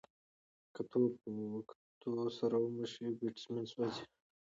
که توپ د وکټو سره وموښلي، بېټسمېن سوځي.